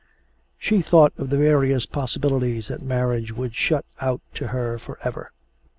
She thought of the various possibilities that marriage would shut out to her for ever.